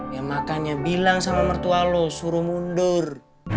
ya makanya bilang sama mertua lo suruh mundur